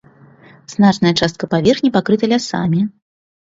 Значная частка паверхні пакрыта лясамі.